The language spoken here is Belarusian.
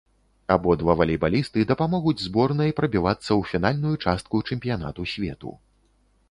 Абодва валейбалісты дапамогуць зборнай прабівацца ў фінальную частку чэмпіянату свету.